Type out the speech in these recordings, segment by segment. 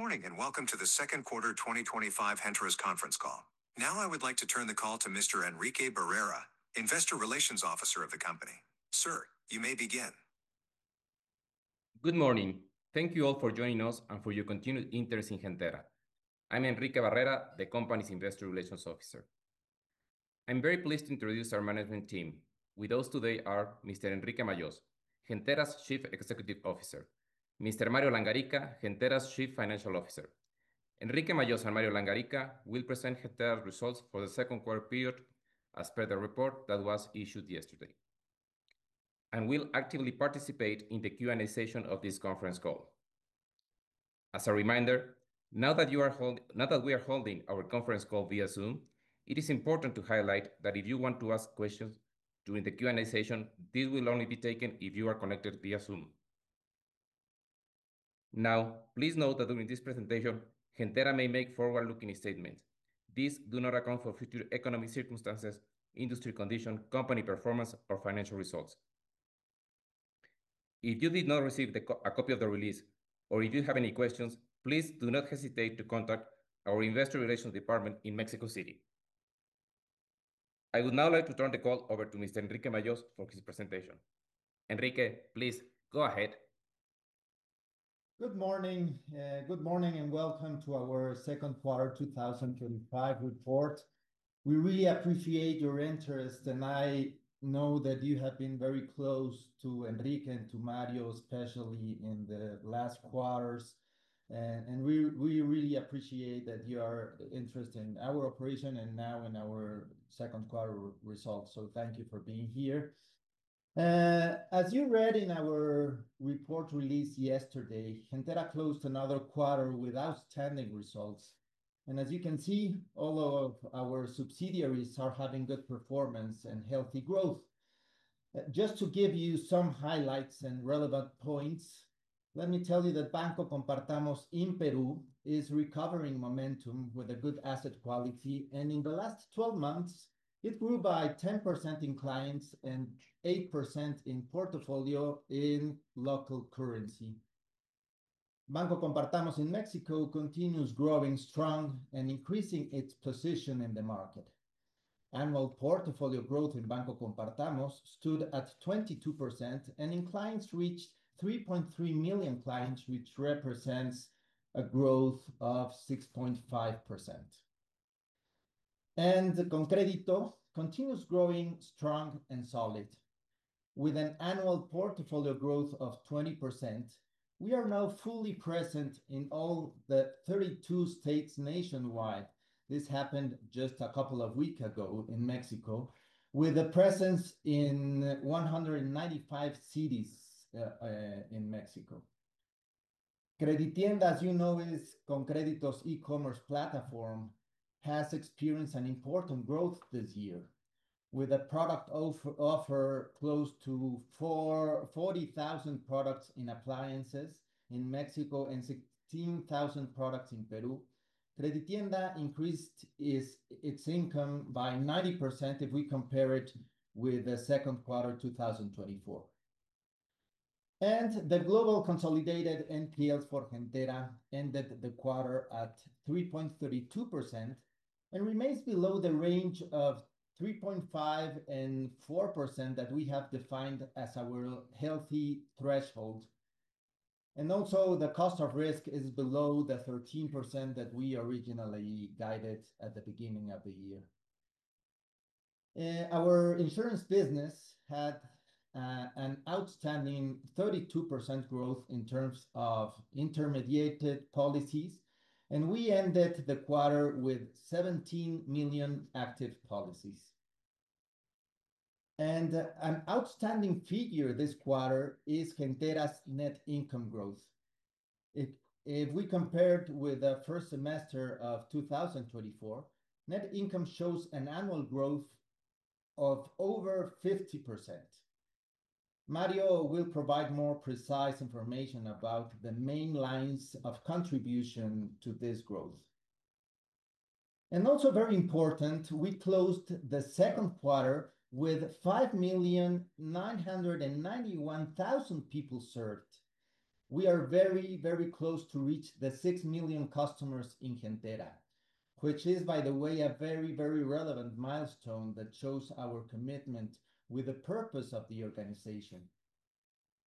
Morning and welcome to the second quarter 2025 Gentera conference call. Now I would like to turn the call to Mr. Enrique Barrera, Investor Relations Officer of the company. Sir, you may begin. Good morning. Thank you all for joining us and for your continued interest in Gentera. I'm Enrique Barrera, the company's Investor Relations Officer. I'm very pleased to introduce our management team. With us today are Mr. Enrique Majós Ramírez, Gentera's Chief Executive Officer, and Mr. Mario Langarica Ávila, Gentera's Chief Financial Officer. Enrique Majós Ramírez and Mario Langarica Ávila will present Gentera's results for the second quarter period as per the report that was issued yesterday and will actively participate in the Q and A session of this conference call. As a reminder, now that we are holding our conference call via Zoom, it is important to highlight that if you want to ask questions during the Q and A session, this will only be taken if you are connected via Zoom. Now please note that during this presentation Gentera may make forward-looking statements. These do not account for future economic circumstances, industry condition, company performance, or financial results. If you did not receive a copy of the release or if you have any questions, please do not hesitate to contact our investor relations department in Mexico City. I would now like to turn the call over to Mr. Enrique Majós Ramírez for his presentation. Enrique, please go ahead. Good morning. Good morning and welcome to our second quarter 2025 report. We really appreciate your interest and I know that you have been very close to Enrique and to Mario, especially in the last quarters. We really appreciate that you are interested in our operation and now in our second quarter results. Thank you for being here. As you read in our report released yesterday, Gentera closed another quarter with outstanding results. As you can see, all of our subsidiaries are having good performance and healthy growth. Just to give you some highlights and relevant points, let me tell you that Banco Compartamos in Peru is recovering momentum with a good asset quality. In the last 12 months it grew by 10% in clients and 8% in portfolio in local currency. Banco Compartamos in Mexico continues growing strong and increasing its position in the market. Annual portfolio growth in Banco Compartamos stood at 22% and in clients reached 3.3 million clients, which represents a growth of 6.5%. ConCrédito continues growing strong and solid with an annual portfolio growth of 20%. We are now fully present in all the 32 states nationwide. This happened just a couple of weeks ago in Mexico with a presence in 195 cities in Mexico. Creditienda, as you know, is ConCrédito's e-commerce platform and has experienced an important growth this year with a product offer close to 40,000 products in appliances in Mexico and 16,000 products in Peru. Creditienda increased its income by 90% if we compare it with the second quarter 2024 and the global consolidated NPLs for Gentera ended the quarter at 3.32% and remains below the range of 3.5% and 4% that we have defined as our healthy threshold. Also, the cost of risk is below the 13% that we originally guided. At the beginning of the year our insurance business had an outstanding 32% growth in terms of intermediated policies and we ended the quarter with 17 million active policies and an outstanding figure. This quarter, Gentera's net income growth, if we compare it with the first semester of 2024, net income shows an annual growth of over 50%. Mario will provide more precise information about the main lines of contribution to this growth and also, very important, we closed the second quarter with 5,991,000 people served. We are very, very close to reach the 6 million customers in Gentera, which is by the way a very, very relevant milestone that shows our commitment with the purpose of the organization.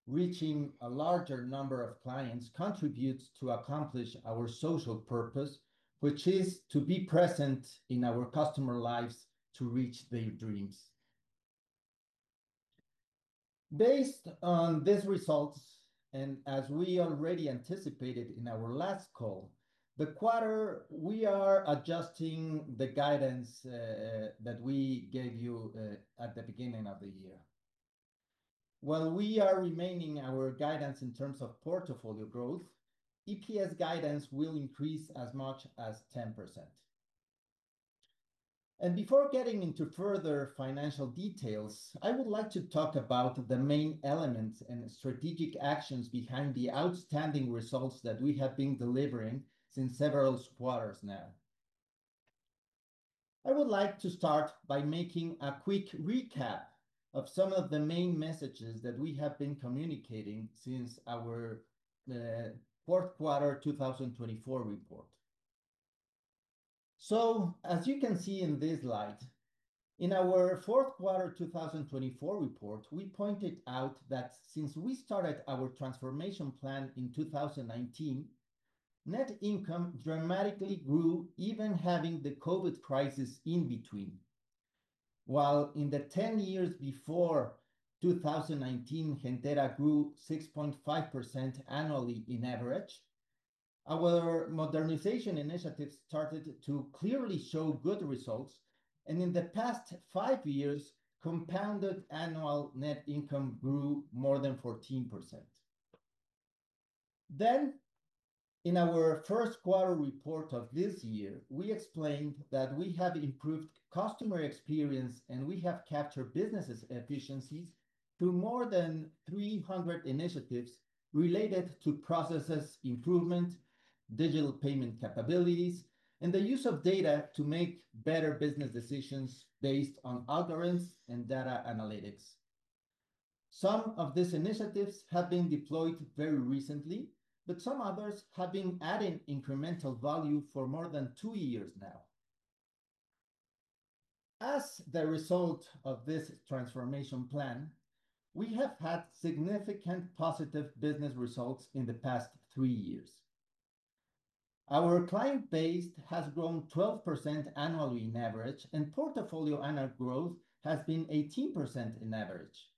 Reaching a larger number of clients contributes to accomplish our social purpose, which is to be present in our customers' lives to reach their dreams. Based on these results, and as we already anticipated in our last call, the quarter we are adjusting the guidance that we gave you at the beginning of the year. While we are remaining our guidance in terms of portfolio growth, EPS guidance will increase as much as 10%, and before getting into further financial details, I would like to talk about the main elements and strategic actions behind the outstanding results that we have been delivering since several quarters. Now. I would like to start by making a quick recap of some of the main messages that we have been communicating since our fourth quarter 2024 report. As you can see in this slide, in our fourth quarter 2024 report we pointed out that since we started our transformation plan in 2019, net income dramatically grew, even having the COVID crisis in between. While in the 10 years before 2019 Gentera grew 6.5% annually in average, our modernization initiatives started to clearly show good results and in the past five years compounded annual net income grew more than 14%. In our first quarter report of this year we explained that we have improved customer experience and we have captured business efficiencies through more than 300 initiatives related to process improvement, digital payment capabilities, and the use of data to make better business decisions based on algorithms and data analytics. Some of these initiatives have been deployed very recently, but some others have been adding incremental value for more than two years now. As the result of this transformation plan, we have had significant positive business results. In the past three years, our client base has grown 12% annually in average and portfolio annual growth has been 18% in average.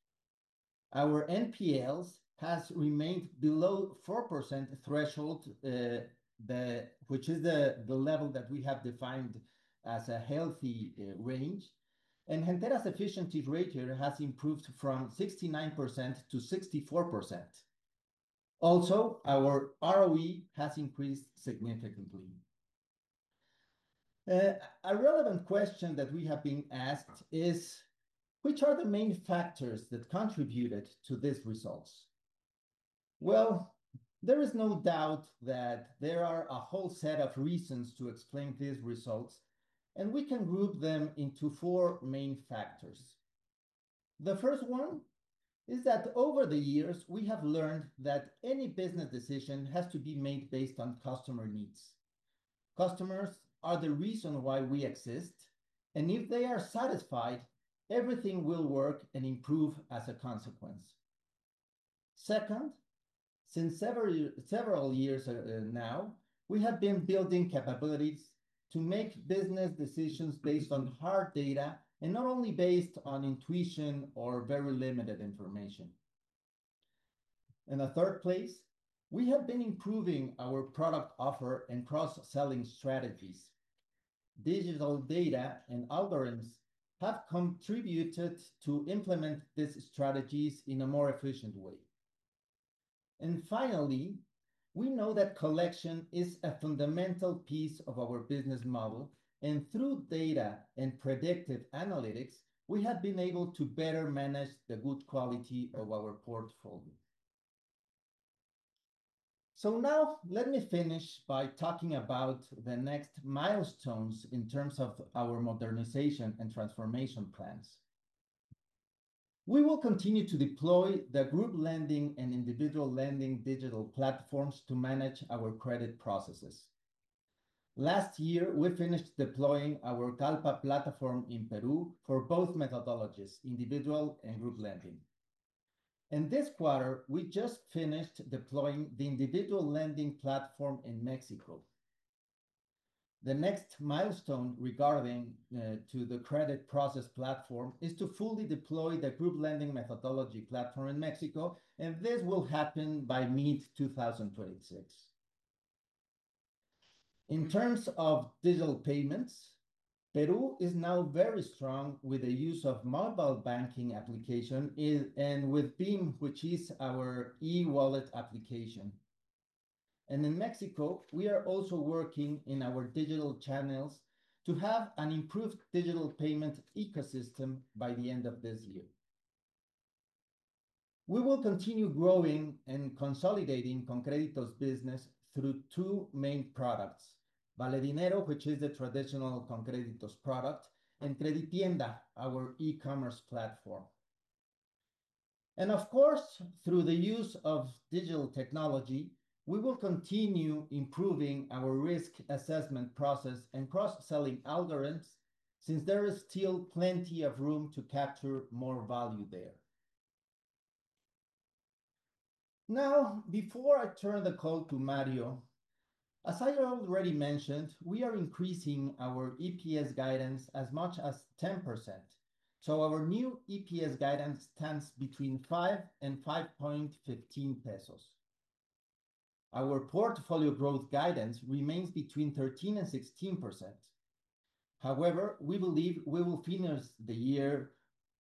Our NPLs have remained below 4% threshold, which is the level that we have defined as a healthy range, and Gentera's efficiency rate here has improved from 69% to 64%. Also, our ROE has increased significantly. A relevant question that we have been asked is which are the main factors that contributed to these results? There is no doubt that there are a whole set of reasons to explain these results and we can group them into four main factors. The first one is that over the years we have learned that any business decision has to be made based on customer needs. Customers are the reason why we exist and if they are satisfied, everything will work and improve as a consequence. Second, since several years now we have been building capabilities to make business decisions based on hard data and not only based on intuition or very limited information. In the third place, we have been improving our product offer and cross selling strategies. Digital data and algorithms have contributed to implement these strategies in a more efficient way. Finally, we know that collection is a fundamental piece of our business model, and through data and predictive analytics we have been able to better manage the good quality of our portfolio. Let me finish by talking about the next milestones in terms of our modernization and transformation plans. We will continue to deploy the group lending and individual lending digital platforms to manage our credit processes. Last year we finished deploying our GALPA platform in Peru for both methodologies, individual and group lending. In this quarter we just finished deploying the individual lending platform in Mexico. The next milestone regarding the credit process platform is to fully deploy the group lending methodology platform in Mexico, and this will happen by mid-2026. In terms of digital payments, Peru is now very strong with the use of mobile banking application and with BIM, which is our E Wallet application. In Mexico we are also working in our digital channels to have an improved digital payment ecosystem by the end of this year. We will continue growing and consolidating ConCrédito's business through two main products, Valedinero, which is the traditional ConCrédito product, and Creditienda, our e-commerce platform, and of course through the use of digital technology we will continue improving our risk assessment process and cross-selling algorithms since there is still plenty of room to capture more value there. Now, before I turn the call to Mario, as I already mentioned, we are increasing our EPS guidance as much as 10%, so our new EPS guidance stands between $5 and $5.15 pesos. Our portfolio growth guidance remains between 13% and 16%. However, we believe we will finish the year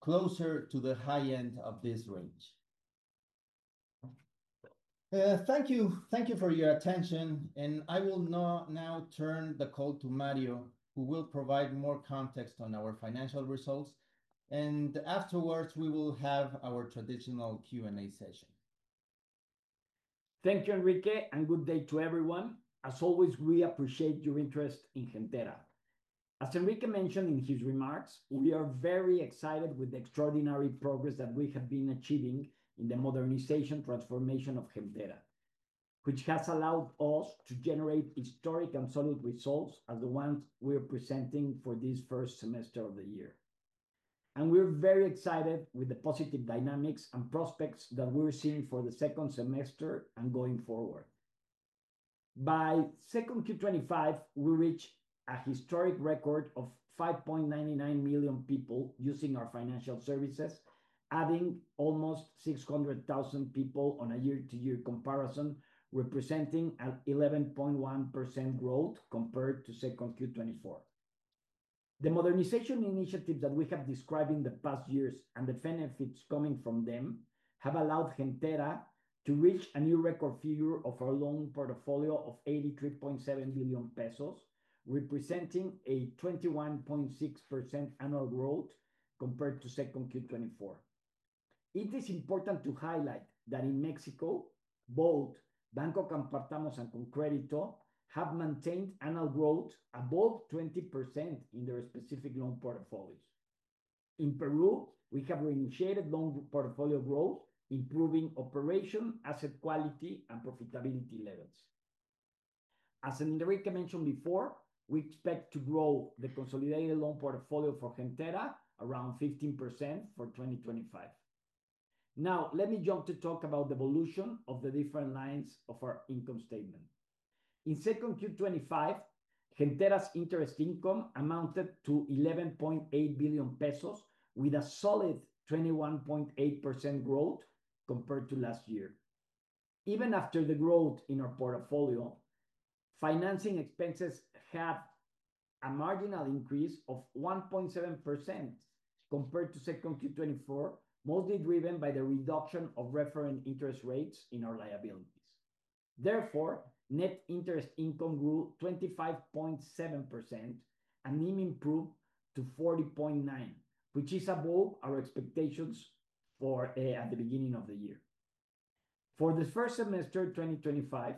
closer to the high end of this range. Thank you for your attention, and I will now turn the call to Mario, who will provide more context on our financial results, and afterwards we will have our traditional Q&A session. Thank you Enrique and good day to everyone. As always, we appreciate your interest in Gentera. As Enrique mentioned in his remarks, we are very excited with the extraordinary progress that we have been achieving in the modernization transformation of Gentera, which has allowed us to generate historic and solid results as the ones we are presenting for this first semester of the year. We're very excited with the positive dynamics and prospects that we're seeing for the second semester and going forward. By second Q25 we reached a historic record of 5.99 million people using our financial services, adding almost 600,000 people on a year-to-year comparison, representing an 11.1% growth compared to second Q24. The modernization initiatives that we have described in the past years and the benefits coming from them have allowed Gentera to reach a new record figure of our loan portfolio of $83.7 billion pesos, representing a 21.6% annual growth compared to second Q24. It is important to highlight that in Mexico, both Banco Compartamos and ConCrédito have maintained annual growth above 20% in their specific loan portfolios. In Peru, we have reinitiated loan portfolio growth, improving operation, asset quality, and profitability levels. As Enrique mentioned before, we expect to grow the consolidated loan portfolio for Gentera around 15% for 2025. Now let me jump to talk about the evolution of the different lines of our income statement. In second Q25, Gentera's interest income amounted to $11.8 billion pesos with a solid 21.8% growth compared to last year. Even after the growth in our portfolio, financing expenses had a marginal increase of 1.7% compared to second Q24, mostly driven by the reduction of reference interest rates in our liabilities. Therefore, net interest income grew 25.7% and NIM improved to 40.9%, which is above our expectations at the beginning of the year. For the first semester 2025,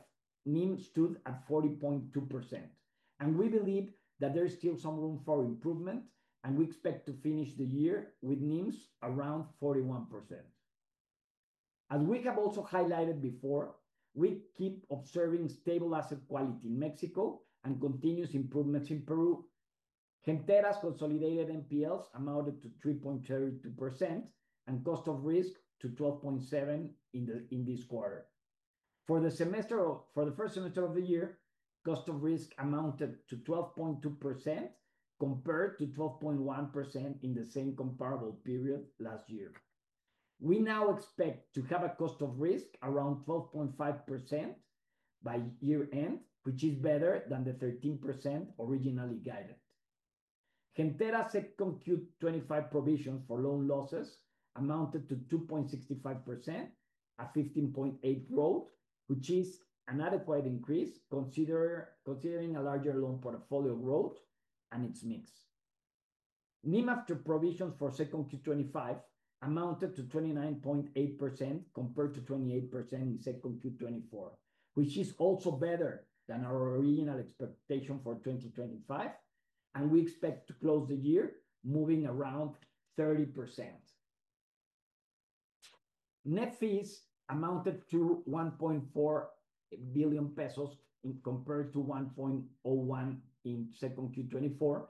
NIM stood at 40.2% and we believe that there is still some room for improvement and we expect to finish the year with NIM around 41%. As we have also highlighted before, we keep observing stable asset quality in Mexico and continuous improvements in Peru. Gentera's consolidated NPLs amounted to 3.32% and cost of risk to 12.7% in this quarter. For the first semester of the year, cost of risk amounted to 12.2% compared to 12.1% in the same comparable period last year. We now expect to have a cost of risk around 12.5% by year end, which is better than the 13% originally guided. Gentera's Secute 25 provisions for loan losses amounted to 2.65%, a 15.8% growth, which is an adequate increase considering a larger loan portfolio growth and its mix. NIM after provisions for second Q25 amounted to 29.8% compared to 28% in second Q24, which is also better than our original expectation for 2025 and we expect to close the year moving around 30%. Net fees amounted to $1.4 billion pesos compared to $1.01 billion in second Q24,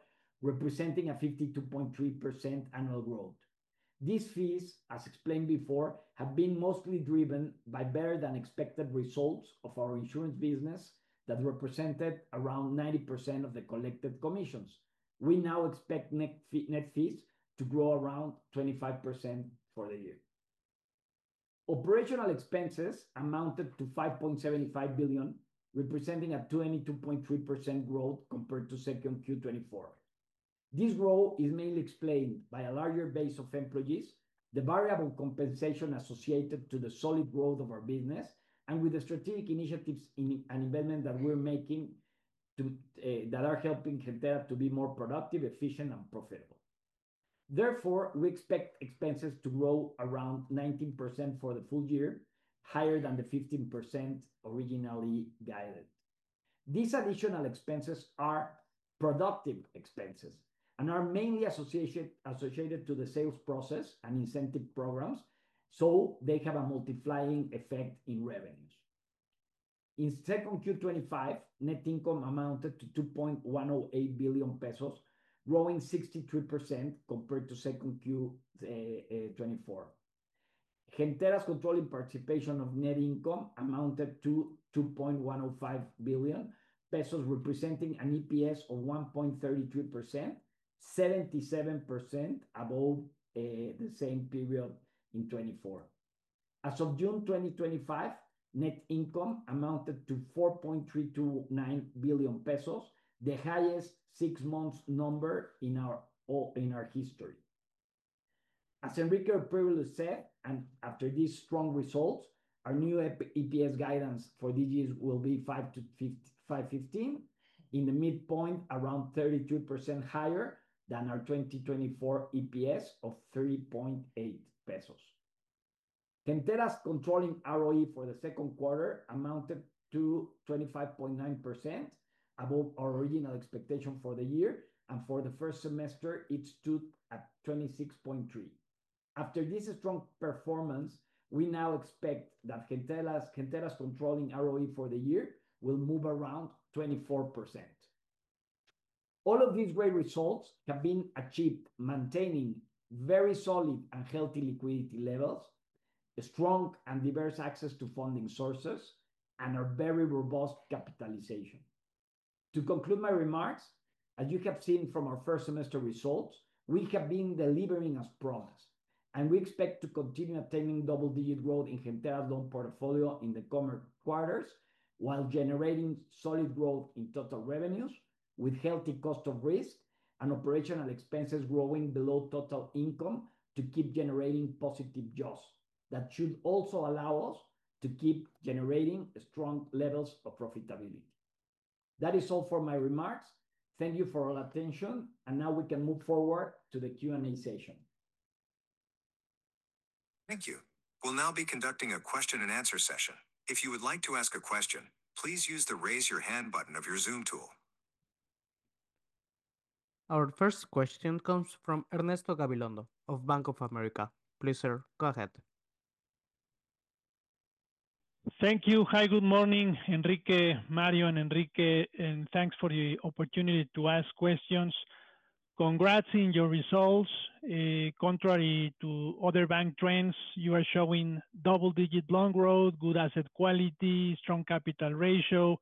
representing a 52.3% annual growth. These fees, as explained before, have been mostly driven by better than expected results of our insurance business that represented around 90% of the collected commissions. We now expect net fees to grow around 25% for the year. Operational expenses amounted to $5.75 billion, representing a 22.3% growth compared to second Q24. This role is mainly explained by a larger base of employees, the variable compensation associated to the solid growth of our business and with the strategic initiatives and investment that we're making that are helping Gentera to be more productive, efficient and profitable. Therefore, we expect expenses to grow around 19% for the full year, higher than the 15% originally guided. These additional expenses are productive expenses and are mainly associated to the sales process and incentive programs, so they have a multiplying effect in revenues. In second Q25, net income amounted to $2.108 billion pesos, growing 63% compared to second Q20. Controlling participation of net income amounted to $2.105 billion pesos, representing an EPS of $1.33, 77% above the same period in 2024. As of June 2025, net income amounted to $4.329 billion pesos, the highest six months number in our history. As Enrique previously said and after these strong results, our new EPS guidance for DGs will be $5 to $5.15 in the midpoint, around 32% higher than our 2024 EPS of $3.8 pesos. Gentera's controlling ROE for the second quarter amounted to 25.9%, above our original expectation for the year. For the first semester it stood at 26.3%. After this strong performance, we now expect that Gentera's controlling ROE for the year will move around 24%. All of these great results have been achieved maintaining very solid and healthy liquidity levels, strong and diverse access to funding sources and a very robust capitalization. To conclude my remarks, as you have seen from our first semester results, we have been delivering as promised and we expect to continue attaining double digit growth in Gentera's loan portfolio in the coming quarters while generating solid growth in total revenues with healthy cost of risk and operational expenses growing below total income to keep generating positive jobs. That should also allow us to keep generating strong levels of profitability. That is all for my remarks. Thank you for all attention. Now we can move forward to the Q and A session. Thank you. We'll now be conducting a question and answer session. If you would like to ask a question, please use the raise your hand button of your Zoom tool. Our first question comes from Ernesto Gabilondo. Of Bank of America. Please, sir, go ahead. Thank you. Hi, good morning, Enrique, Mario and Enrique. Thanks for the opportunity to ask questions. Congrats on your results. Contrary to other bank trends, you are showing double-digit loan growth, good asset quality, strong capital ratio,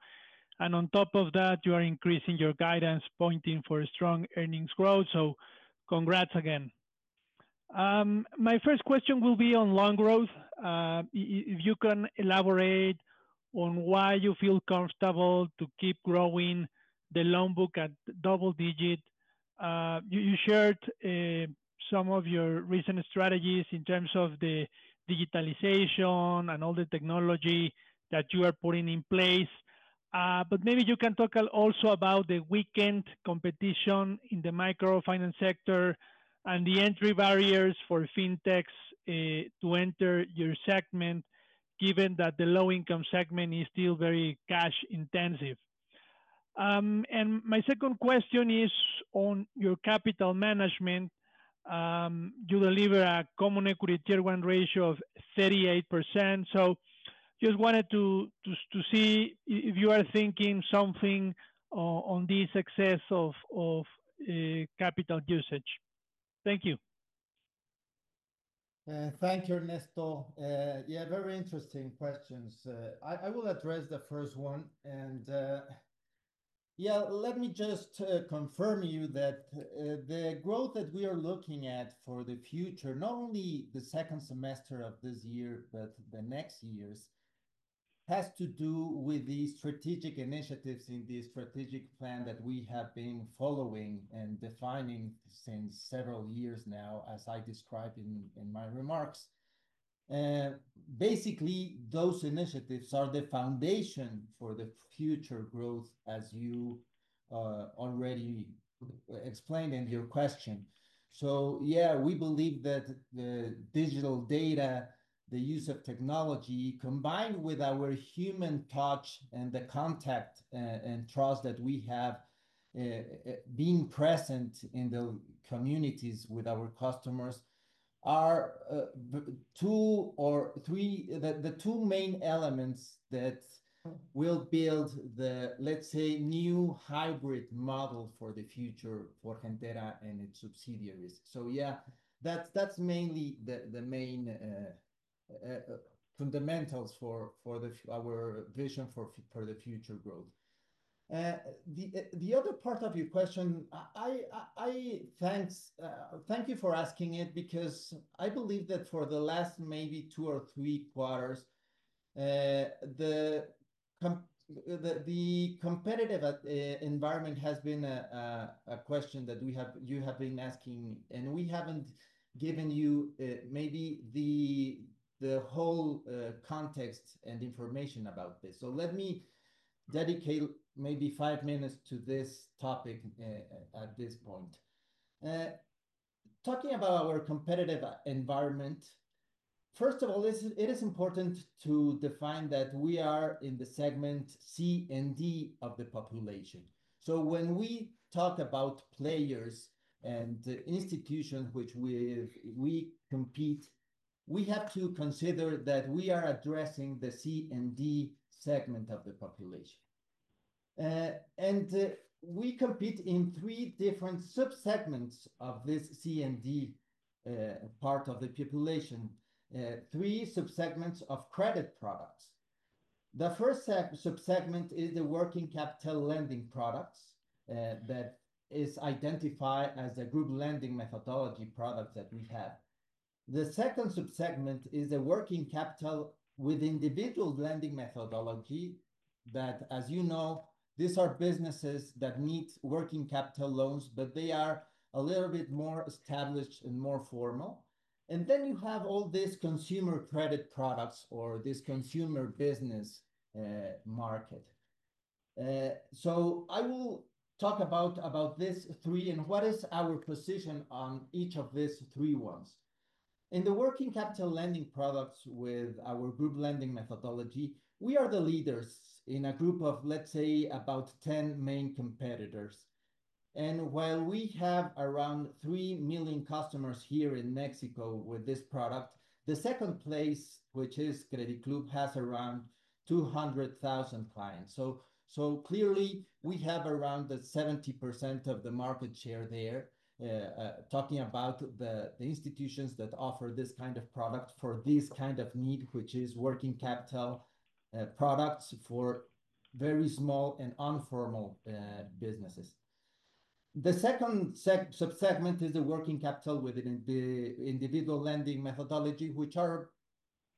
and on top of that you are increasing your guidance pointing for strong earnings growth. Congrats again. My first question will be on loan growth. If you can elaborate on why you feel comfortable to keep growing the loan book at double-digit. You shared some of your recent strategies in terms of the digitalization and all the technology that you are putting in place. Maybe you can talk also about the weakened competition in the microfinance sector and the entry barriers for FinTechs to enter your segment, given that the low-income segment is still very cash intensive. My second question is on your capital management. You deliver a common equity tier 1 ratio of 38%. I just wanted to see if you are thinking something on this excess of capital usage. Thank you. Thank you, Ernesto. Yeah, very interesting questions. I will address the first one. Let me just confirm you that the growth that we are looking at for the future, not only the second semester of this year, but the next years, has to do with the strategic initiatives in the strategic plan that we have been following and defining since several years now as I described in my remarks. Basically, those initiatives are the foundation for the future growth as you already explained in your question. We believe that the digital data, the use of technology, combined with our human touch and the contact and trust that we have being present in the communities with our customers, are the two main elements that will build the, let's say, new hybrid model for the future for Gentera and its subsidiaries. That's mainly the main fundamentals for our vision for the future growth. The other part of your question, thank you for asking it because I believe that for the last maybe two or three quarters the competitive environment has been a question that you have been asking and we haven't given you maybe the whole context and information about this. Let me dedicate maybe five minutes to this topic at this point talking about our competitive environment. First of all, it is important to define that we are in the segment C and D of the population. When we talk about players and institutions which we compete, we have to consider that we are addressing the C and D segment of the population and we compete in three different subsegments of this C and D part of the population, three subsegments of credit products. The first subsegment is the working capital lending products that is identified as a group lending methodology products that we have. The second subsegment is a working capital with individual lending methodology that, as you know, these are businesses that need working capital loans but they are a little bit more established and more formal. Then you have all these consumer credit products or this consumer business market. I will talk about these three. What is our position on each of these three ones? In the working capital lending products with our group lending methodology, we are the leaders in a group of about 10 main competitors. While we have around 3 million customers here in Mexico with this product, the second place, which is Credit Club, has around 200,000 clients. Clearly, we have around 70% of the market share there. Talking about the institutions that offer this kind of product for this kind of need, which is working capital products for very small and informal businesses, the second subsegment is the working capital within the individual lending methodology, which are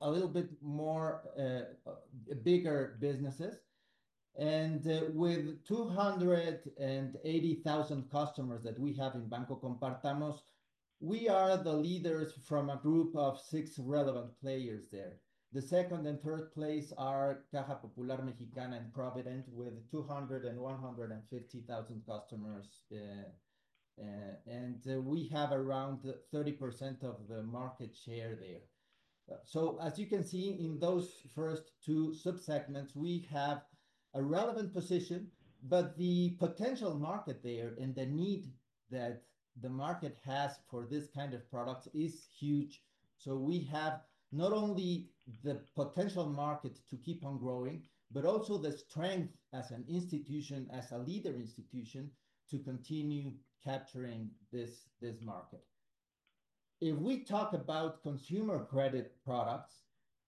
a little bit more bigger businesses. With 280,000 customers that we have in Banco Compartamos, we are the leaders from a group of six relevant players there. The second and third place are Caja Popular Mexicana and Provident with 200,000 and 150,000 customers, and we have around 30% of the market share there. As you can see, in those first two subsegments we have a relevant position, but the potential market there and the need that the market has for this kind of product is huge. We have not only the potential market to keep on growing but also the strength as an institution, as a leader institution, to continue capturing this market. If we talk about consumer credit products,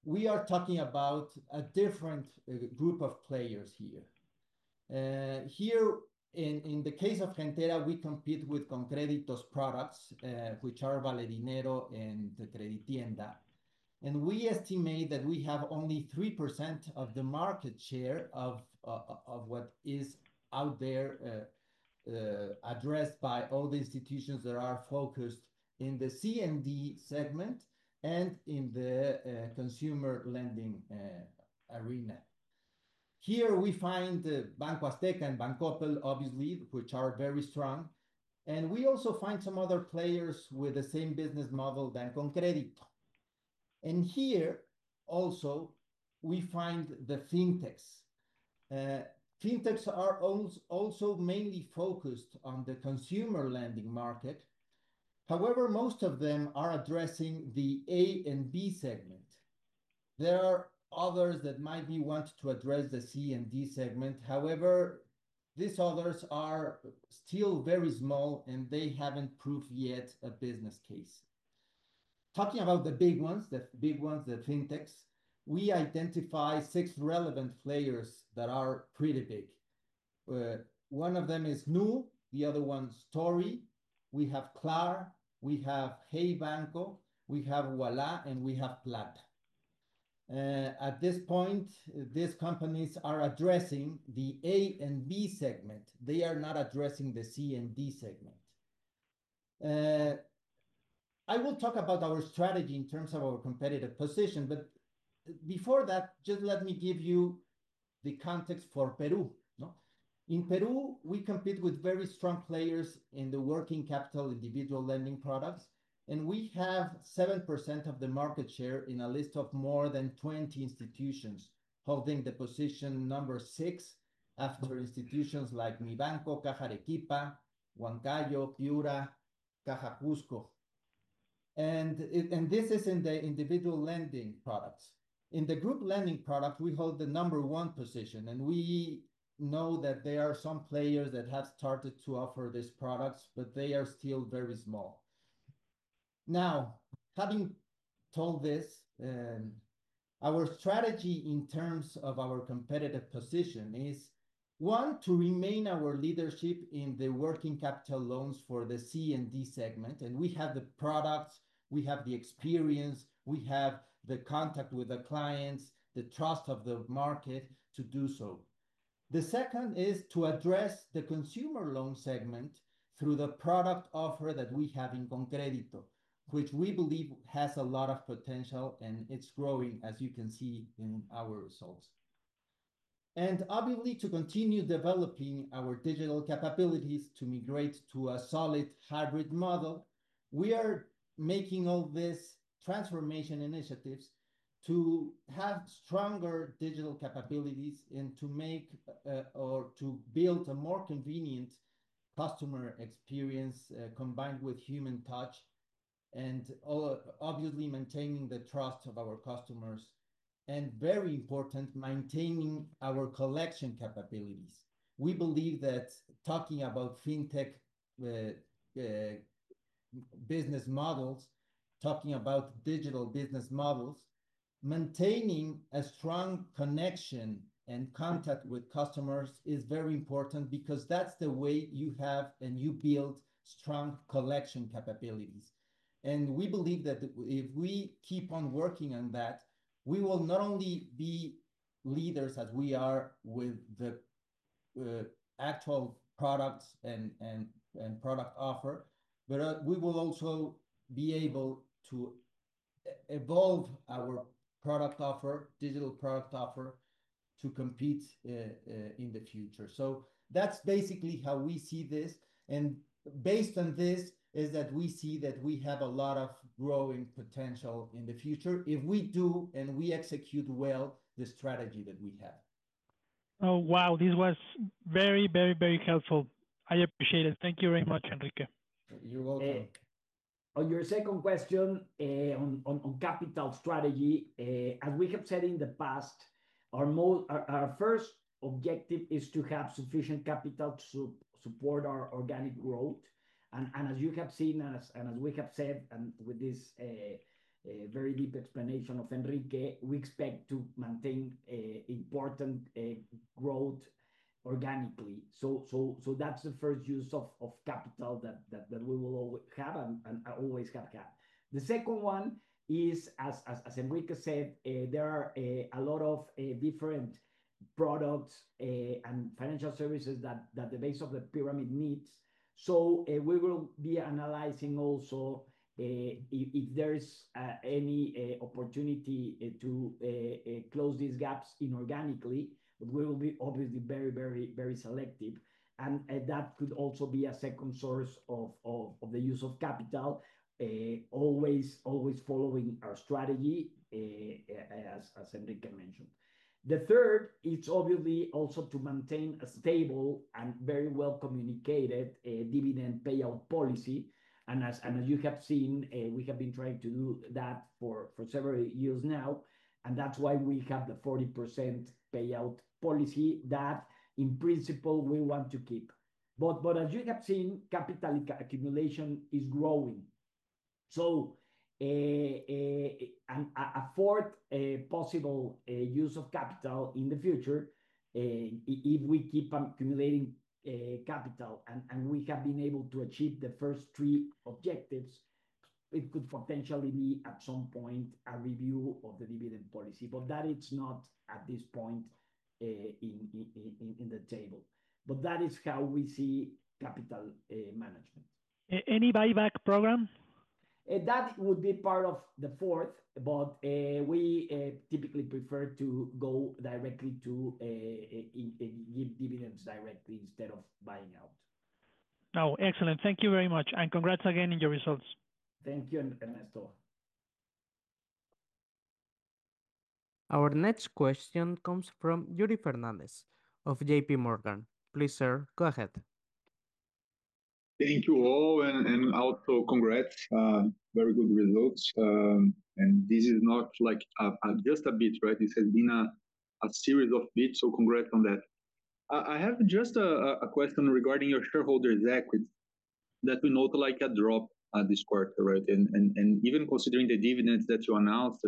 we are talking about a different group of players here. In the case of Gentera, we compete with ConCrédito's products, which are Valerinero and Creditienda, and we estimate that we have only 3% of the market share of what is out there addressed by all the institutions that are focused in the C and D segment and in the consumer lending arena. Here we find BanCoppel and Banco Azteca, obviously, which are very strong, and we also find some other players with the same business model as ConCrédito. Here also we find the fintechs. Fintechs are also mainly focused on the consumer lending market. However, most of them are addressing the A and B segment. There are others that might want to address the C and D segment. However, these others are still very small and they haven't proved yet a business case. Talking about the big ones, the fintechs, we identify six relevant players that are pretty big. One of them is Nu. The other one is Stori, we have Klar, we have Hey Banco, we have Wala, and we have Plaid. At this point, these companies are addressing the A and B segment. They are not addressing the C and D segment. I will talk about our strategy in terms of our competitive position, but before that, just let me give you the context for Peru. In Peru we compete with very strong players in the working capital individual lending products and we have 7% of the market share in a list of more than 20 institutions, holding the position number six after institutions like Mivanco, Cajarequipa, Huancayo, Pura, Cajapusco, and this is in the individual lending products. In the group lending product we hold the number one position and we know that there are some players that have started to offer these products, but they are still very small. Now, having told this, our strategy in terms of our competitive position is, one, to remain our leadership in the working capital loans for the C and D segment, and we have the products, we have the experience, we have the contact with the clients, the trust of the market to do so. The second is to address the consumer loan segment through the product offer that we have in ConCrédito, which we believe has a lot of potential and it's growing, as you can see in our results. Obviously, to continue developing our digital capabilities, to migrate to a solid hybrid model. We are making all these transformation initiatives to have stronger digital capabilities and to build a more convenient customer experience combined with human touch and obviously maintaining the trust of our customers and, very important, maintaining our collection capabilities. We believe that talking about fintech business models, talking about digital business models, maintaining a strong connection and contact with customers is very important because that's the way you have and you build strong collection capabilities. We believe that if we keep on working on that, we will not only be leaders as we are with the actual products and product offer, but we will also be able to evolve our product offer, digital product offer, to compete in the future. That's basically how we see this and based on this is that we see that we have a lot of growing potential in the future if we do and we execute well the strategy that we have. Oh wow, this was very, very, very helpful. I appreciate it. Thank you very much, Enrique. You're welcome. On your second question on capital strategy, as we have said in the past, our first objective is to have sufficient capital to support our organic growth. As you have seen and as we have said and with this very deep explanation of Enrique, we expect to maintain important growth organically. That's the first use of capital that we will have and always have had. One is, as Enrique said, there are a lot of different products and financial services that the base of the pyramid needs. We will be analyzing also if there is any opportunity to close these gaps inorganically. We will be obviously very, very, very selective. That could also be a second source of the use of capital. Always, always following our strategy, as Enrique mentioned. The third is obviously also to maintain a stable and very well communicated dividend payout policy. As you have seen, we have been trying to do that for several years now. That's why we have the 40% payout policy that in principle we want to keep. As you have seen, capital accumulation is growing afford a possible use of capital in the future if we keep accumulating capital and we have been able to achieve the first three objectives. It could potentially be at some point a review of the dividend policy, but that it's not at this point in the table. That is how we see capital management. Any buyback program would be part of the fourth. We typically prefer to go directly, to give dividends directly instead of buying out now. Excellent. Thank you very much. Congratulations again on your results. Thank you, Ernesto. Our next question comes from Yuri Fernandez of JP Morgan. Please, sir, go ahead. Thank you all. Also, congrats, very good results. This is not just a bit, right? This has been a series of bits. Congrats on that. I have just a question regarding your shareholders' equity. We note a drop this quarter, right? Even considering the dividends that you announced,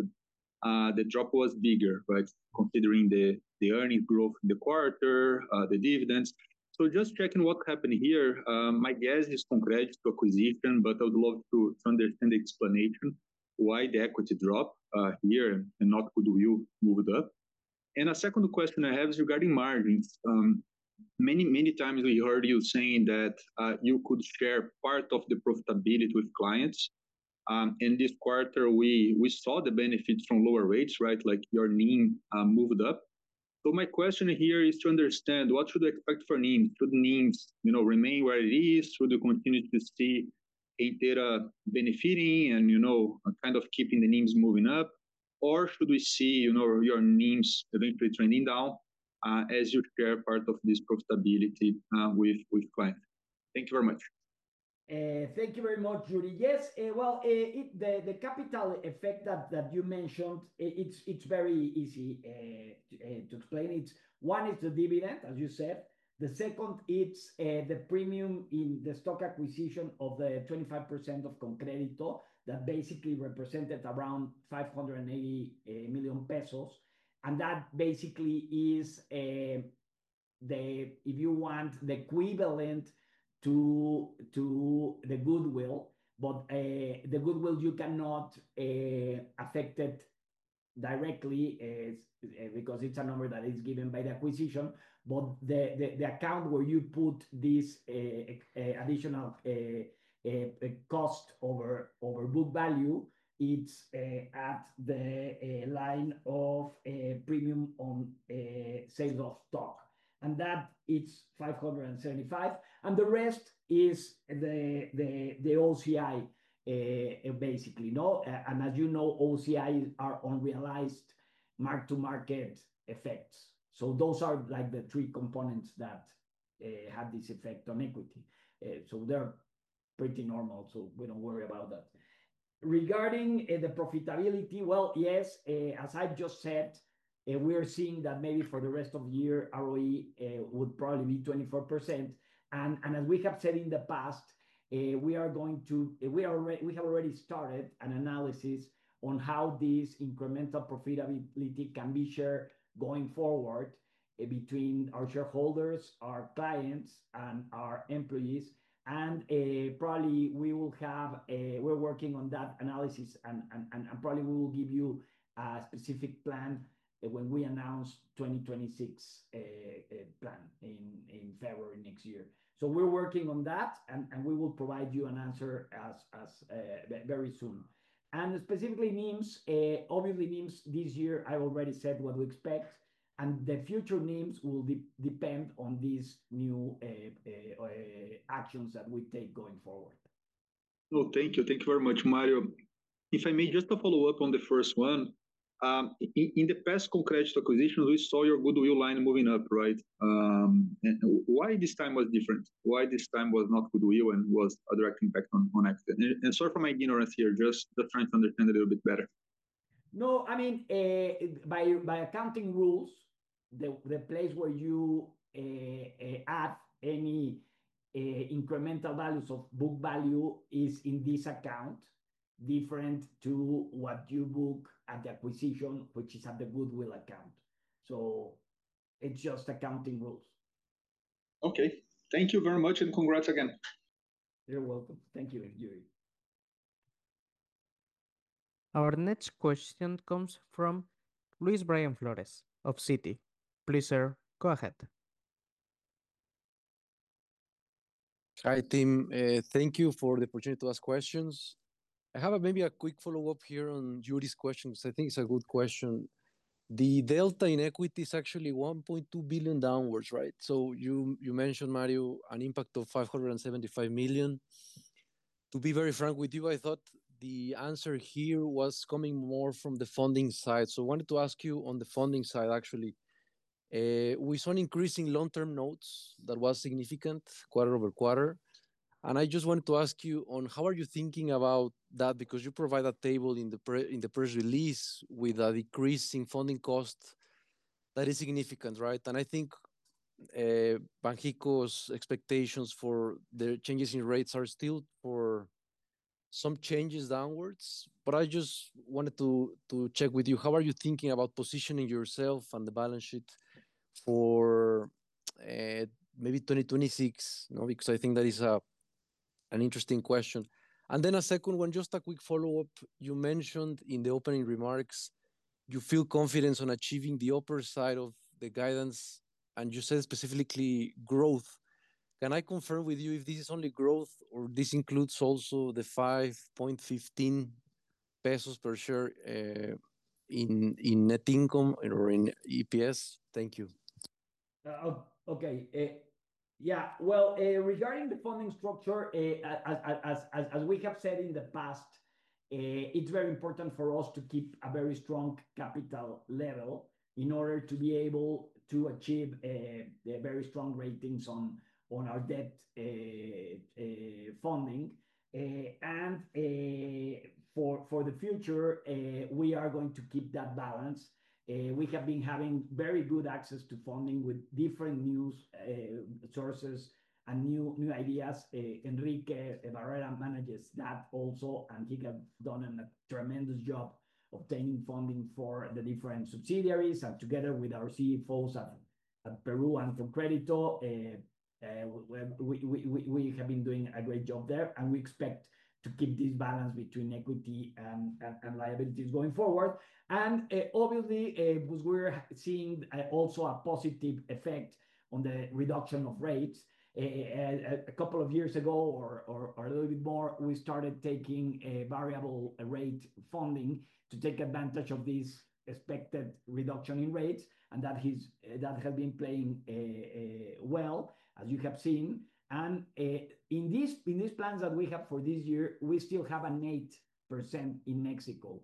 the drop was bigger, right? Considering the earnings growth in the quarter and the dividends. Just checking what happened here. My guess is congratulations to acquisition, but I would love to understand the explanation why the equity dropped here and not could we move it up? A second question I have is regarding margins. Many times we heard you saying that you could share part of the profitability with clients. In this quarter, we saw the benefits from lower rates, right? Your NIM moved up. My question here is to understand what should we expect for NIM. Should NIMs remain where it is? Should you continue to see data benefiting and kind of keeping the NIMs moving up, or should we see your NIMs eventually trending down as you share part of this profitability with clients? Thank you very much. Thank you very much, Judy. Yes. The capital effect that you mentioned, it's very easy to explain. One is the dividend as you said. The second is the premium in the stock acquisition of the 25% of ConCrédito that basically represented around $580 million pesos. That basically is, if you want, the equivalent to the goodwill. The goodwill you cannot affect it directly because it's a number that is given by the acquisition. The account where you put this additional cost over book value is at the line of premium on sales of stock, and that is $575 million. The rest is the OCI basically. As you know, OCI are unrealized mark to market effects. Those are the three components that had this effect on equity. They're pretty normal. We don't worry about that. Regarding the profitability, yes, as I've just said, we are seeing that maybe for the rest of the year ROE would probably be 24%. As we have said in the. Past. We have already started an analysis on how these incremental profitability can be shared going forward between our shareholders, our clients, and our employees. We are working on that analysis and probably we will give you a specific plan when we announce 2026 plan in February next year. We are working on that and we will provide you an answer very soon. Specifically, NIMs, obviously NIMs this year I already said what we expect, and the future NIMs will depend on these new actions that we take going forward. Thank you. Thank you very much, Mario. If I may, just to follow up on the first one. In the past, congratulations, acquisitions, we saw your goodwill line moving up. Right. Why this time was different? Why this time was not goodwill and was a direct impact on accident? Sorry for my ignorance here, just trying to understand a little bit better. No, I mean by accounting rules, the place where you add any incremental values of book value is in this account, different to what you book at the acquisition, which is at the goodwill account. It's just accounting rules. Okay, thank you very much and congrats again. You're welcome. Thank you. Our next question comes from Luis Brian Flores of Citi. Please, sir, go ahead. Hi Tim. Thank you for the opportunity to ask questions. I have maybe a quick follow-up here on Yuri's question because I think it's a good question. The delta in equity is actually $1.2 billion downwards. Right. You mentioned, Mario, an impact of $575 million. To be very frank with you, I thought the answer here was coming more from the funding side. I wanted to ask you on the funding side, actually we saw an increase in long-term notes that was significant quarter over quarter. I just wanted to ask you how are you thinking about that? You provide a table in the press release with a decrease in funding cost. That is significant, right? I think Banco's expectations for their changes in rates are still for some changes downwards. I just wanted to check with you, how are you thinking about positioning yourself and the balance sheet for maybe 2026? I think that is an interesting question. A second one, just a quick follow-up. You mentioned in the opening remarks you feel confident on achieving the upper side of the guidance and you said specifically growth. Can I confirm with you if this is only growth or this includes also the $5.15 pesos per share in net income or in EPS? Thank you. Okay. Regarding the funding structure, as we have said in the past, it's very important for us to keep a very strong capital level in order to be able to achieve the very strong ratings on our debt funding and for the future we are going to keep that balance. We have been having very good access to funding with different new sources and new ideas. Enrique Barrera manages that. Also, Antigua has done a tremendous job obtaining funding for the different subsidiaries. Together with our CFOs at Peru and from ConCrédito, we have been doing a great job there. We expect to keep this balance between equity and liabilities going forward. Obviously, we're seeing also a positive effect on the reduction of rates. A couple of years ago or a little bit more, we started taking a variable rate funding to take advantage of this expected reduction in rates. That has been playing well, as you have seen. In these plans that we have for this year, we still have an 8% in Mexico.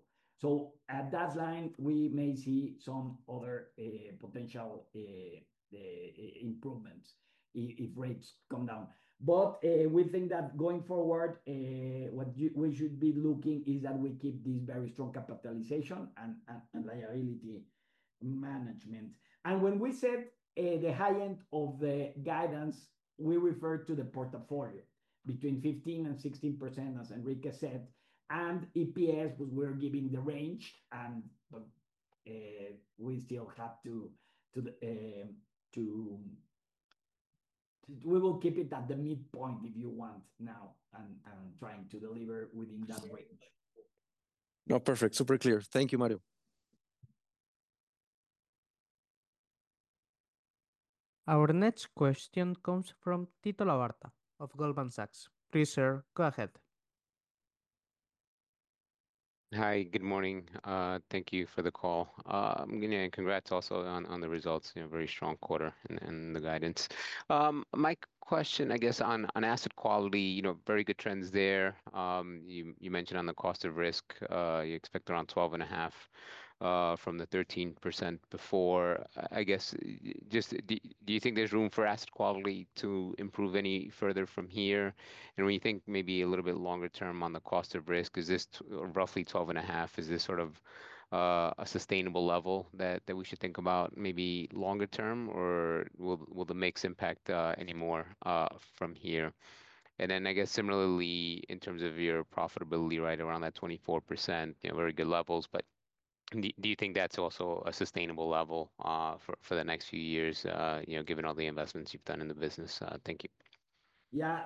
At that line we may see some other potential improvements if rates come down. We think that going forward what we should be looking at is that we keep these very strong capitalization and liability management. When we said the high end of the guidance, we refer to the portfolio between 15% and 16%, as Enrique said, and EPS was, we're giving the range and we still have to. We will keep it at the midpoint if you want now and trying to deliver within that range. No, perfect. Super clear. Thank you, Mario. Our next question comes from Tito Lavarta of Goldman Sachs. Please, sir, go ahead. Hi, good morning. Thank you for the call. Congrats also on the results, very strong quarter and the guidance. My question, I guess on asset quality, very good trends there. You mentioned on the cost of risk, you expect around 12.5% from the 13% before. I guess just do you think there's room for asset quality to improve any further from here? When you think maybe a little bit longer term on the cost of risk, is this roughly 12.5%, is this sort of a sustainable level that we should think about maybe longer term or will the mix impact any more from here? Similarly, in terms of your profitability, right around that 24%, very good levels. Do you think that's also a sustainable level for the next few years, given all the investments you've done in the business? Thank you.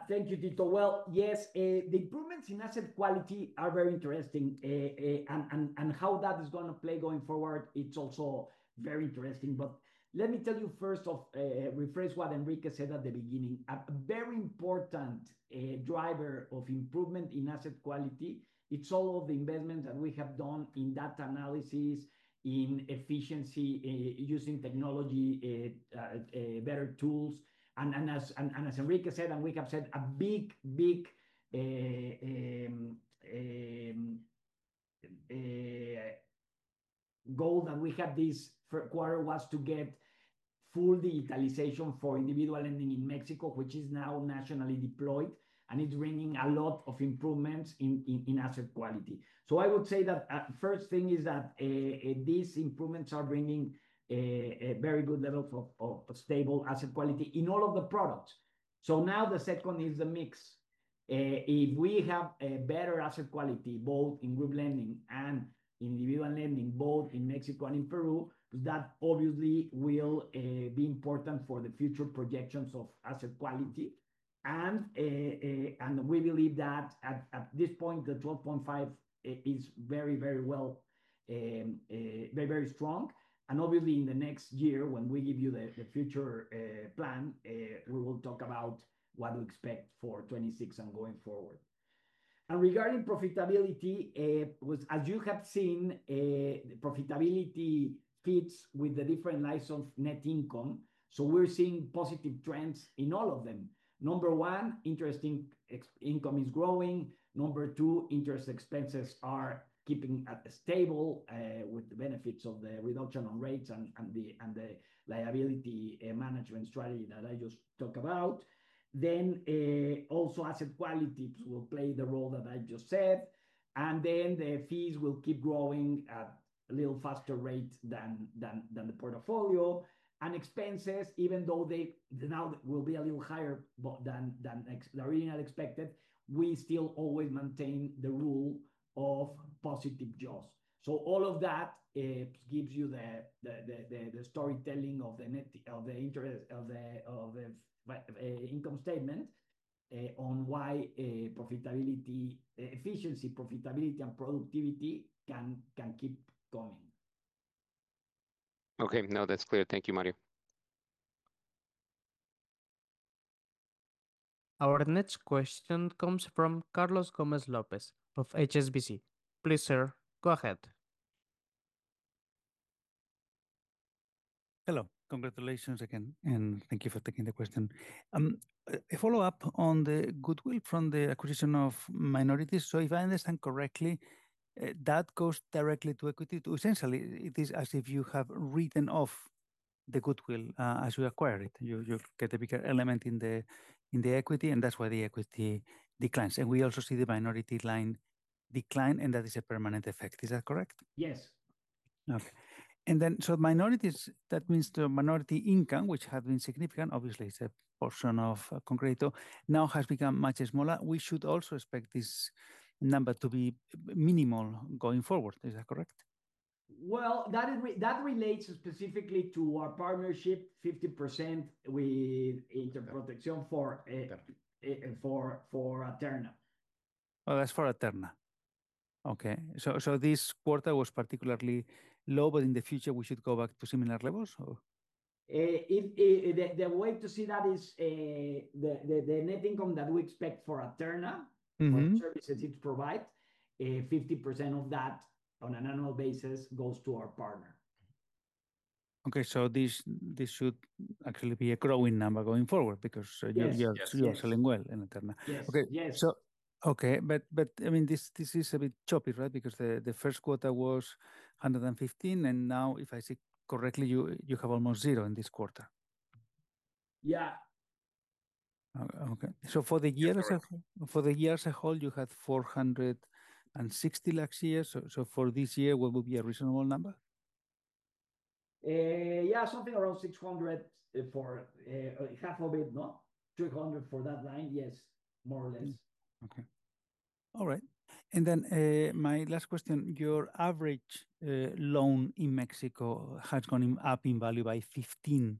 Thank you, Tito. Yes, the improvements in asset quality are very interesting and how that is going to play going forward is also very interesting. Let me first rephrase what Enrique said at the beginning. A very important driver of improvement in asset quality is all of the investments that we have done in data analysis, in efficiency, using technology, better tools, and as Enrique said, and we have said, a big. Big. goal that we had this quarter was to get full digitalization for individual lending in Mexico, which is now nationally deployed. It's bringing a lot of improvements in asset quality. I would say that the first thing is that these improvements are bringing a very good level of stable asset quality in all of the products. The second is the mix. If we have a better asset quality both in group lending and individual lending, both in Mexico and in Peru, that obviously will be important for the future projections of asset quality. We believe that at this point the 12.5% is very, very well, very, very strong. Obviously, in the next year when we give you the future plan, we will talk about what to expect for 2026 and going forward. Regarding profitability, as you have seen, profitability fits with the different lines in net income. We're seeing positive trends in all of them. Number one, interest income is growing. Number two, interest expenses are keeping stable with the benefits of the reduction on rates and the liability management strategy that I just talked about. Also, asset quality will play the role that I just said. The fees will keep growing at a little faster rate than the portfolio and expenses, even though they will be a little higher than originally expected, we still always maintain the rule of positive jobs. All of that gives you the storytelling of the income statement on why profitability, efficiency, profitability, and productivity can keep coming. Okay, now that's clear. Thank you, Mario. Our next question comes from Carlos Gomez Lopez of HSBC. Please, sir, go ahead. Hello. Congratulations again and thank you for taking the question, a follow up on the goodwill from the acquisition of minorities. If I understand correctly, that goes directly to equity. Essentially, it is as if you have written off the goodwill. As you acquire it, you get a bigger element in the equity, and that's why the equity declines. We also see the minority line decline, and that is a permanent effect. Is that correct? Yes. That means the minority income, which had been significant, obviously it's a portion of ConCrédito, now has become much smaller. We should also expect this number to be minimal going forward, is that correct? That relates specifically to our partnership, 50% with interpretation for a. This quarter was particularly low, but in the future we should go back to similar levels or. The way to see that is the net income that we expect for Gentera for the services it provides, 50% of that on an annual basis goes to our partner. Okay, this should actually be a growing number going forward because you're selling well. This is a bit choppy, right? The first quarter was 115 and now if I see correctly, you have almost zero in this quarter. Yeah. Okay, for the year as a whole you had 46,000,000 here. For this year, what would be a reasonable number? Yeah, something around $600 million for half of it, not $300 million for that line? Yes, more or less. Okay. All right, my last question. Your average loan in Mexico has gone up in value by 15%,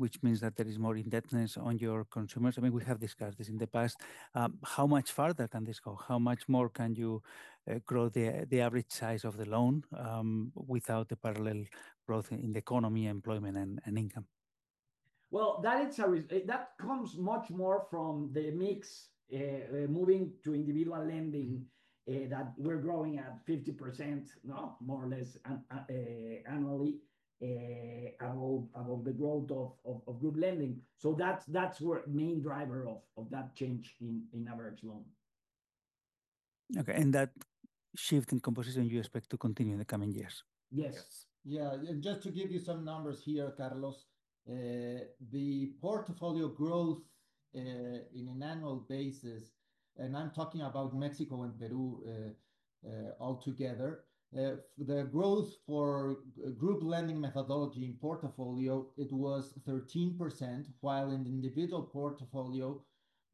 which means that there is more indebtedness on your consumers. I mean, we have discussed this in the past. How much farther can this go? How much more can you grow the average size of the loan without the parallel growth in the economy, employment, and income? That comes much more from the mix moving to individual lending that we're growing at 50% more or less annually above the growth of group lending. That's where main driver of that change in average loan. Okay. That shift in composition you expect to continue in the coming years? Yes. Yeah. Just to give you some numbers here, Carlos, the portfolio growth on an annual basis, and I'm talking about Mexico and Peru, altogether the growth for group lending methodology in portfolio was 13% while in individual portfolio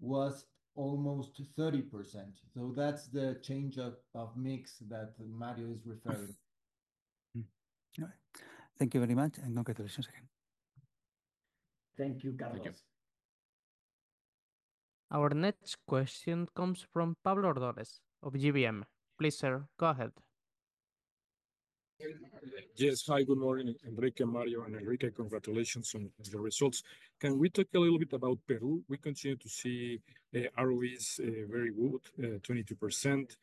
was almost 30%. That's the change of mix that Mario is referring. Thank you very much, and congratulations again. Thank you, Carlos. Our next question comes from Pablo Ordores of GBM. Please, sir, go ahead. Yes, hi, good morning, Enrique. Mario and Enrique, congratulations on the results. Can we talk a little bit about Peru? We continue to see ROEs. Very good, 22%.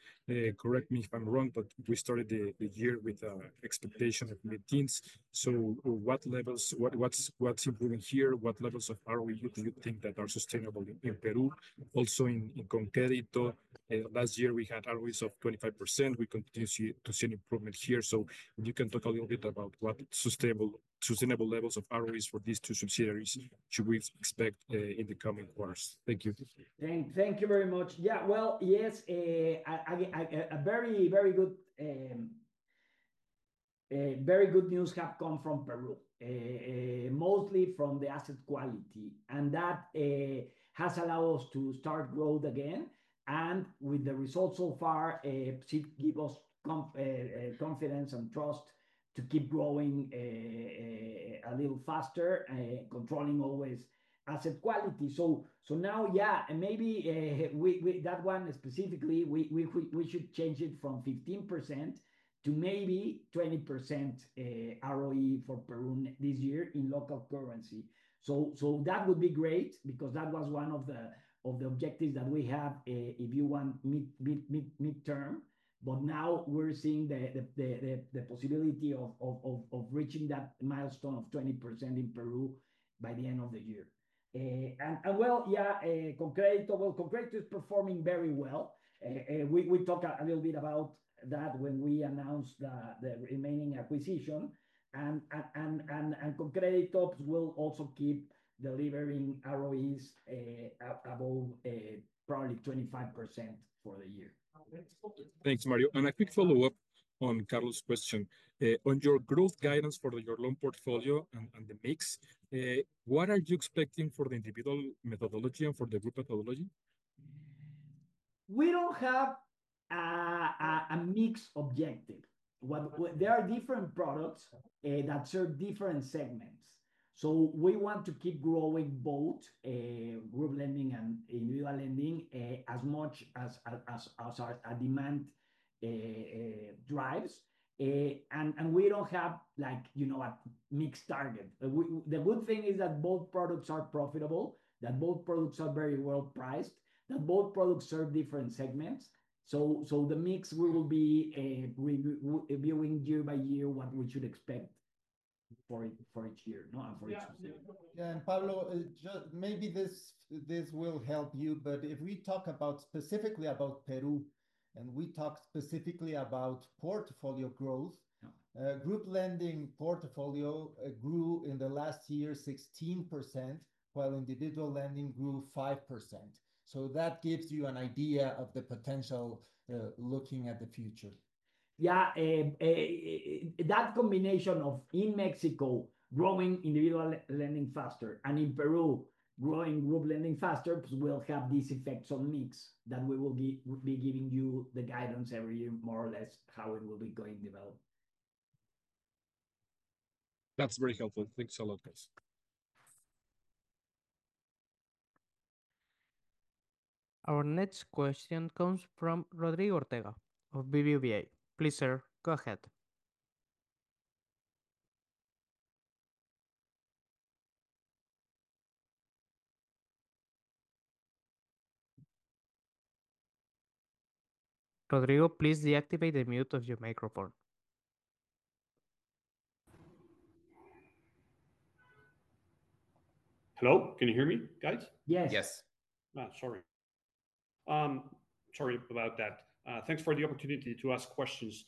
Correct me if I'm wrong, but we started the year with expectation of mid teens. What levels, what's improving here? What levels of ROE do you think that are sustainable in Peru? Also in ConCrédito last year we had ROEs of 25%. We continue to see an improvement here. Can you talk a little bit about what sustainable levels of ROE for these two subsidiaries should we expect in the coming quarters? Thank you. Thank you very much. Yes, very, very good news have come from Peru, mostly from the asset quality, and that has allowed us to start growth again. The results so far give us confidence and trust to keep growing a little faster, always controlling asset quality. Now, maybe that one specifically, we should change it from 15% to maybe 20% ROE for Peru this year in local currency. That would be great because that was one of the objectives that we had. If you want midterm, but now we're seeing the possibility of reaching that milestone of 20% in Peru by the end of the year. ConCrédito is performing very well. We talked a little bit about that when we announced the remaining acquisition, and creditops will also keep delivering ROEs above probably 25% for the year. Thanks, Mario. A quick follow up on Carlos' question on your growth guidance for your loan portfolio and the mix, what are you expecting for the individual methodology and for the group methodology? We don't have a mixed objective. There are different products that serve different segments. We want to keep growing both group and individual lending as much as our demand drives, and we don't have, like, you know, a mixed target. The good thing is that both products are profitable, that both products are very well priced, that both products serve different segments. The mix, we will be reviewing year by year what we should expect for each year. Pablo, maybe this will help you. If we talk specifically about Peru and we talk specifically about portfolio growth, group lending portfolio grew in the last year 16%, 16% while individual lending grew 5%. That gives you an idea of the potential looking at the future. Yeah, that combination of in Mexico growing individual lending faster and in Peru growing group lending faster will have these effects on mix. We will be giving you the guidance every year more or less how it will be going develop. That's very helpful. Thanks a lot, guys. Our next question comes from Rodrigo Ortega of BBVA. Please, sir, go ahead. Rodrigo, please deactivate the mute of your microphone. Hello, can you hear me guys? Yes, yes, sorry, sorry about that. Thanks for the opportunity to ask questions.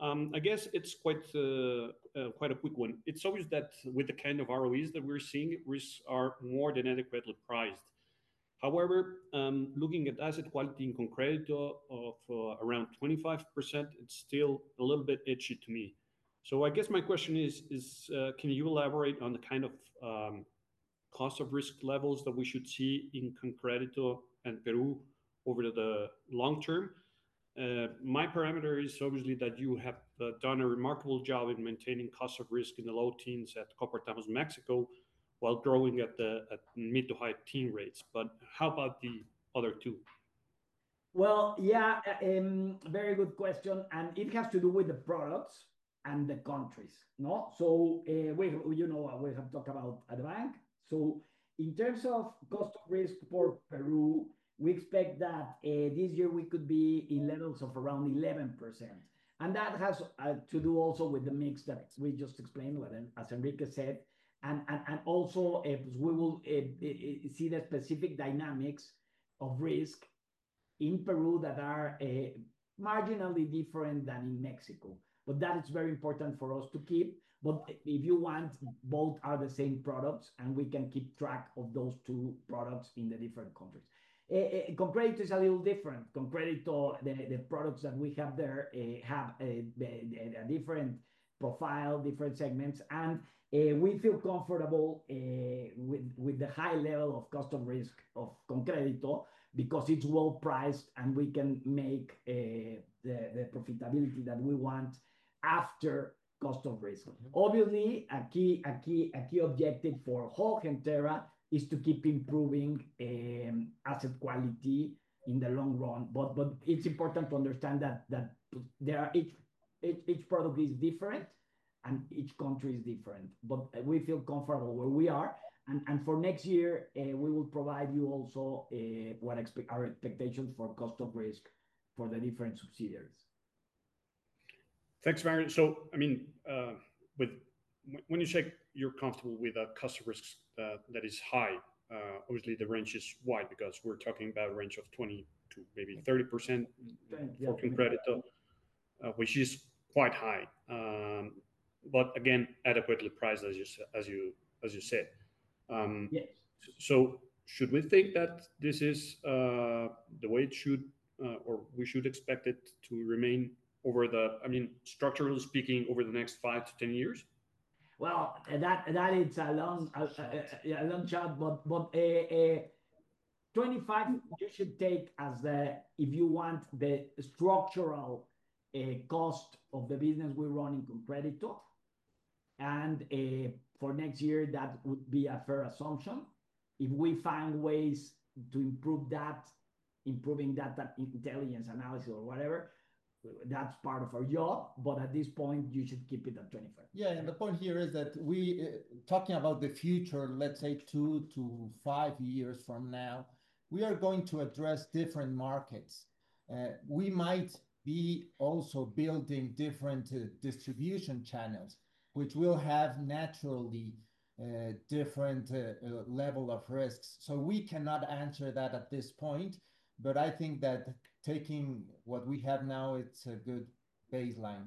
I guess it's quite, quite a quick one. It's always that with the kind of ROEs that we're seeing, risks are more than adequately priced. However, looking at asset quality in ConCrédito of around 25% it's still a little bit itchy to me. I guess my question is, can you elaborate on the kind of cost of risk levels that we should see in ConCrédito and Peru over the long term? My parameter is obviously that you have done a remarkable job in maintaining cost of risk in the low teens at compared to times Mexico while growing at the mid to high teen rates. How about the other two? Very good question and it has to do with the products and the countries. You know we have talked about at the bank. In terms of cost of risk for Peru, we expect that this year we could be in levels of around 11% and that has to do also with the mix that it's. We just explained, as Enrique said. Also we will see the specific dynamics of risk in Peru that are marginally different than in Mexico. That is very important for us to keep. If you want both are the same products and we can keep track of those two products in the different countries. Compared to is a little different, comprehensive. The products that we have there have a different profile, different segments and we feel comfortable with the high level of cost of risk of ConCrédito because it's well priced and we can make the profitability that we want after cost of risk. Obviously a key objective for Gentera is to keep improving asset quality in the long run. It's important to understand that each product is different and each country is different. We feel comfortable where we are and for next year we will provide you also what our expectations for cost of risk for the different subsidiaries. Thanks, Mario. When you say you're comfortable with the cost of risk that is high, obviously the range is wide because we're talking about a range of 20% to maybe 30% working credit, which is quite high, but again adequately priced, as you said. Yes. Should we think that this is the way it should, or we should expect it to remain over the, I mean structurally speaking, over the next five to 10 years? That is a long chart. 25 you should take as if you want the structural cost of the business. We're running on ConCrédito and for next year that would be a fair assumption. If we find ways to improve that, improving data, intelligence analysis or whatever, that's part of our job. At this point you should keep it at 25. The point here is that talking about the future, let's say two to five years from now, we are going to address different markets. We might be also building different distribution channels, which will have naturally different levels of risk. We cannot answer that at this point, but I think that taking what we have now, it's a good baseline.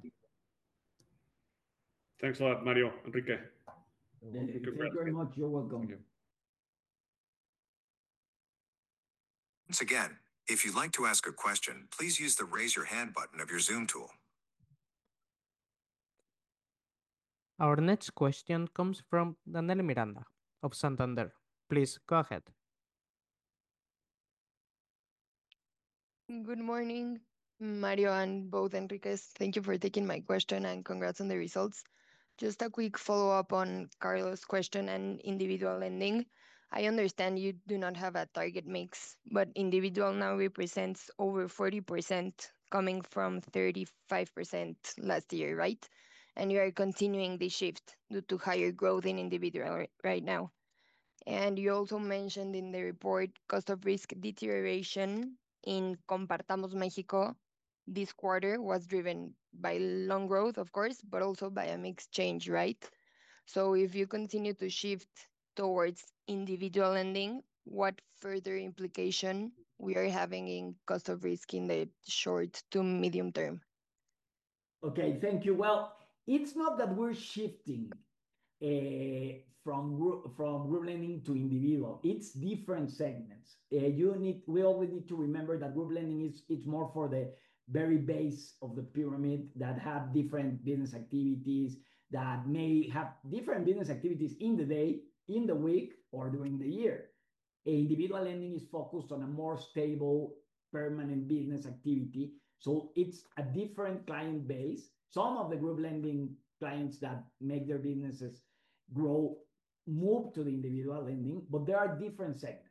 Thanks a lot, Mario. Enrique, thank you very much. You're welcome. Once again, if you'd like to ask a question, please use the raise your hand button of your Zoom tool. Our next question comes from Daniel Miranda of Santander. Please go ahead. Good morning Mario and both Enriques, thank you for taking my question and congrats on the results. Just a quick follow up on Carlos' question and individual lending. I understand you do not have a target mix, but individual now represents over 40%, coming from 35% last year. Right. You are continuing the shift due to higher growth in individual right now. You also mentioned in the report cost of risk deterioration in Banco Compartamos, Mexico this quarter was driven by loan growth, of course, but also by a mix change. Right. If you continue to shift towards individual lending, what further implication are we having in cost of risk in the short to medium term? Thank you. It's not that we're shifting from group lending to individual, it's different segments. We always need to remember that group lending is more for the very base of the pyramid that have different business activities, that may have different business activities in the day, in the week, or during the year. Individual lending is focused on a more stable, permanent business activity. It's a different client base. Some of the group lending clients that make their businesses grow move to the individual lending. There are different segments.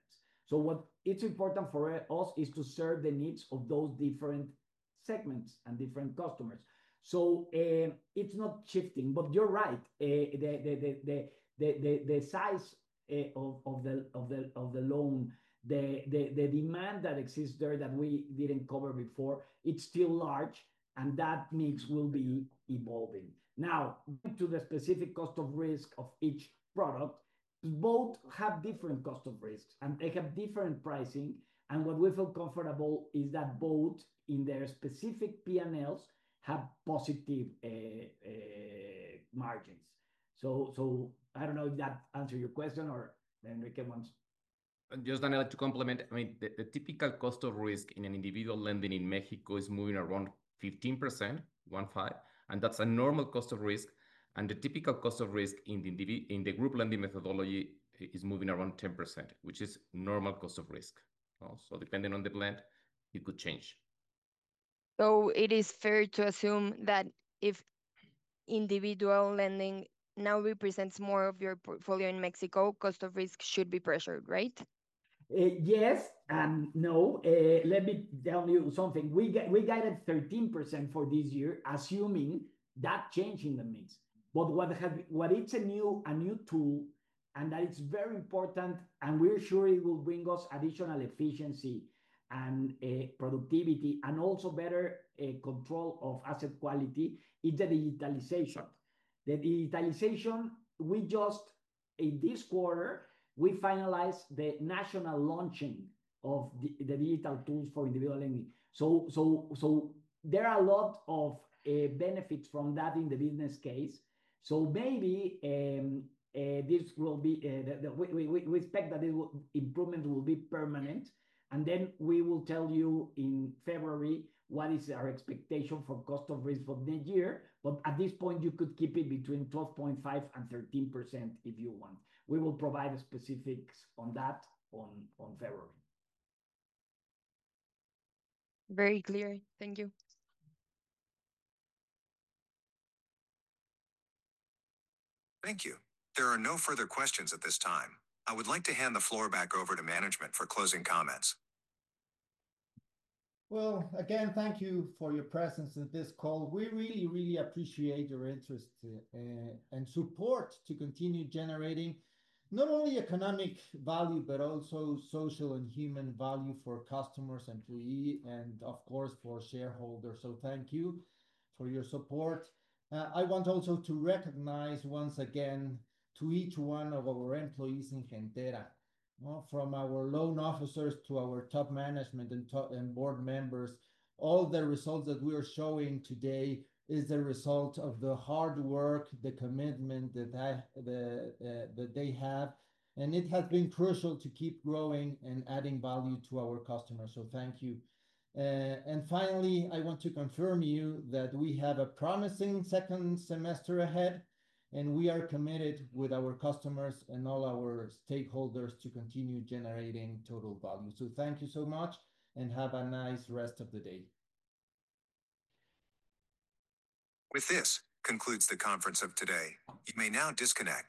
What is important for us is to serve the needs of those different segments and different customers. It's not shifting. You're right, the size of the loan, the demand that exists there that we didn't cover before, is still large. That mix will be evolving now to the specific cost of risk of each product. Both have different cost of risk and they have different pricing. What we feel comfortable with is that both in their specific P&Ls have positive margins. I don't know if that answers your question or if Enrique wants to compliment. The typical cost of risk in individual lending in Mexico is moving around 15%, and that's a normal cost of risk. The typical cost of risk in the group lending methodology is moving around 10%, which is normal cost of risk. Also, depending on the plan, it could change. It is fair to assume that if individual lending now represents more of your portfolio in Mexico, cost of risk should be pressured, right? Yes and no. Let me tell you something. We got at 13% for this year, assuming that change in the mix. What is a new tool and that it's very important and we're sure it will bring us additional efficiency and productivity and also better control of asset quality is the digitalization. The digitalization, we just in this quarter, we finalized the national launching of the digital tools for individual lending. There are a lot of benefits from that in the business case. Maybe we expect that this improvement will be permanent. We will tell you in February what is our expectation for cost of risk for the year. At this point, you could keep it between 12.5% and 13% if you want. We will provide specifics on that in February. Very clear. Thank you. Thank you. There are no further questions at this time. I would like to hand the floor back over to management for closing comments. Thank you for your presence in this call. We really, really appreciate your interest and support to continue generating not only economic value, but also social and human value for customers, employees, and of course, for shareholders. Thank you for your support. I want also to recognize once again, each one of our employees in Gentera, from our loan officers to our top management and board members. All the results that we are showing today is a result of the hard work, the commitment that they have. It has been crucial to keep growing and adding value to our customers. Thank you. Finally, I want to confirm to you that we have a promising second semester ahead and we are committed with our customers and all our stakeholders to continue generating total value. Thank you so much and have a nice rest of the day. With this, concludes the conference of today. You may now disconnect.